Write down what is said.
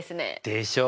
でしょ？